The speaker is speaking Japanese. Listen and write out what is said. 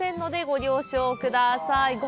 ご了承ください。